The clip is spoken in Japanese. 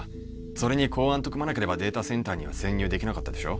それに公安と組まなければデータセンターには潜入できなかったでしょ